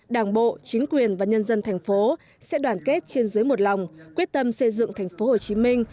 đảng bộ chính quyền và nhân dân thành phố sẽ đoàn kết trên dưới một lòng quyết tâm xây dựng thành phố hồ chí minh